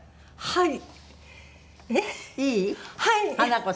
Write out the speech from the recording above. はい。